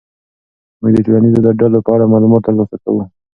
موږ د ټولنیزو ډلو په اړه معلومات ترلاسه کوو.